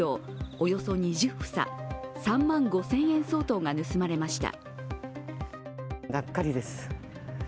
およそ２０房、３万５０００円相当が盗まれました。